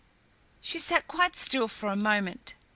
She sat quite still for a moment.